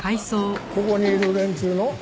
ここにいる連中の？